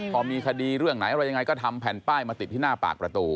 พอมีคดีเรื่องไหนอะไรยังไงก็ทำแผ่นป้ายมาติดที่หน้าปากประตู